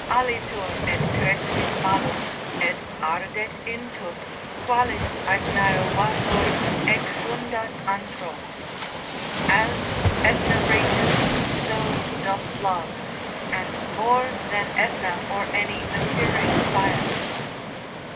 ———alitur et crescit malum, Et ardet intus, qualis Aetnaeo vapor Exundat antro——— As Aetna rageth, so doth love, and more than Aetna or any material fire.